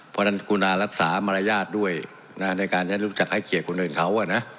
เพราะฉะนั้นคุณอารักษามารยาทด้วยในการจะรู้จักให้เกียรติคนอื่นเขา